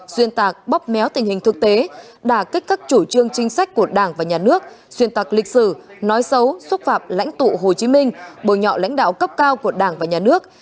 xuyên tạc bóp méo tình hình thực tế đà kích các chủ trương chính sách của đảng và nhà nước xuyên tạc lịch sử nói xấu xúc phạm lãnh tụ hồ chí minh bồi nhọ lãnh đạo cấp cao của đảng và nhà nước